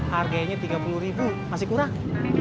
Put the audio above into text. harganya rp tiga puluh ribu masih kurang